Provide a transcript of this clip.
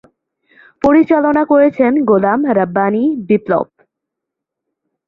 পরিচালনা করেছেন গোলাম রাব্বানী বিপ্লব।